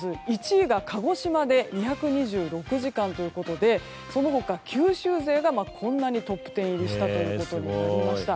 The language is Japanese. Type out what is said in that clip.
１位が鹿児島で２２６時間ということでその他、九州勢がトップ１０入りしたということになりました。